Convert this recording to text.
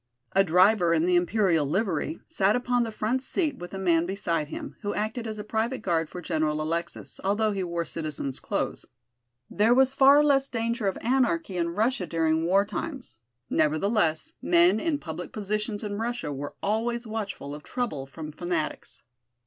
A driver, in the Imperial livery, sat upon the front seat with a man beside him, who acted as a private guard for General Alexis, although he wore citizen's clothes. There was far less danger of anarchy in Russia during war times; nevertheless, men in public positions in Russia were always watchful of trouble from fanatics.